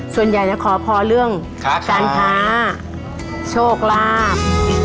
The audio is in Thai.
ส่วนใหญ่จะขอพรเรื่องการค้าโชคลาภ